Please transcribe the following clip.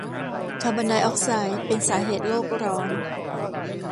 คาร์บอนไดออกไซด์เป็นสาเหตุโลกร้อน